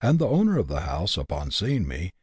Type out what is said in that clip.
The owner of the house, upon seeing me, CHAP.